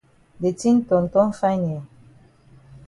De tin ton ton fine eh.